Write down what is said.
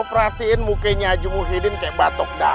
gua perhatiin mukenya haji muhyiddin kayak batok datu